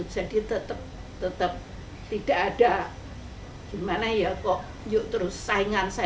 jadi tetap tetap tidak ada gimana ya kok yuk terus saingan saingan